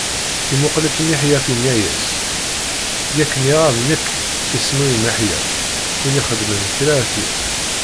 Imuqel-itt Miḥyaf yenna-as: Yak nniɣ-am nekk isem-iw Miḥyaf, win ixedmen kra ad t-yaf.